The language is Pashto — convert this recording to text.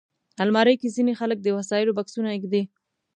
الماري کې ځینې خلک د وسایلو بکسونه ایږدي